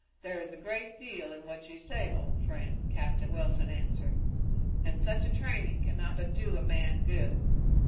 "There is a great deal in what you say, old friend," Captain Wilson answered, "and such a training cannot but do a man good.